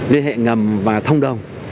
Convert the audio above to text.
liên hệ ngầm và thông đồng